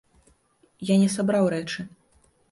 Я не сабраў рэчы.